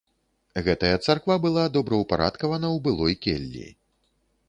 Гэтая царква была добраўпарадкавана ў былой келлі.